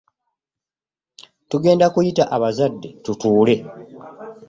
Tugenda kuyita abazadde tutuule.